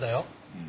うん。